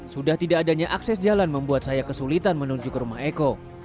sudah tidak adanya akses jalan membuat saya kesulitan menuju ke rumah eko